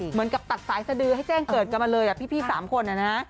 เหมือนกับตัดสายสดือให้แจ้งเกิดกันมาเลยพี่๓คนนะฮะ